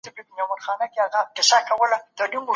هغه به د خپلو دوستانو سره مرسته وکړي.